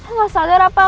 lo gak sadar apa